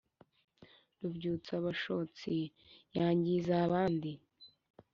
rubyutsa bashotsi yangize abandi